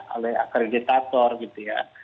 oleh akreditator gitu ya